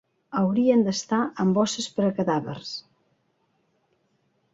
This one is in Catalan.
Haurien d'estar en bosses per a cadàvers.